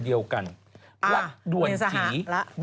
จริงด้วยเต็มเลย